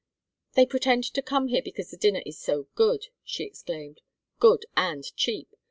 "They pretend to come here because the dinner is so good!" she exclaimed. "Good and cheap!